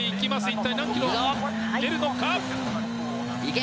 一体何キロ出るのか。